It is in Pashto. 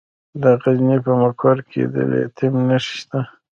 د غزني په مقر کې د لیتیم نښې شته.